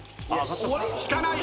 引かない。